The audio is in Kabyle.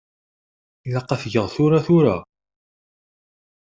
Ilaq ad t-geɣ tura tura?